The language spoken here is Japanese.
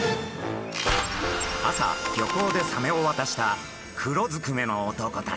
朝漁港でサメを渡した黒ずくめの男たち。